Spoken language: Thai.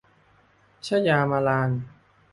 ชยามาลาน